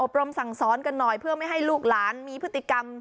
ปรมสั่งสอนกันหน่อยเพื่อไม่ให้ลูกหลานมีพฤติกรรม